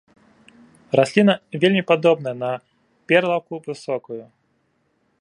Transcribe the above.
Расліна вельмі падобная на перлаўку высокую.